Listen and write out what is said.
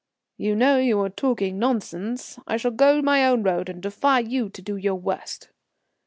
"You know you are talking nonsense. I shall go my own road, and I defy you to do your worst."